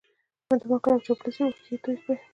د مکر او چاپلوسۍ اوښکې یې توی کړې